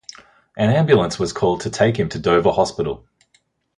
An ambulance was called to take him to Dover Hospital.